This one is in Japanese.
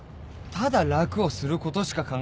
ただ楽をすることしか考えてない。